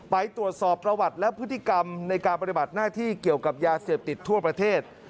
ไปตรวจสอบประวัติและพฤติกรรมในการปฏิบัติหน้าที่เกี่ยวกับยาเสพติดทั่วประเทศ